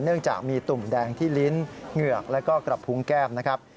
เนื่องจากมีตุ่มแดงที่ลิ้นเหงือกแล้วก็กระพุงแก้มนะครับ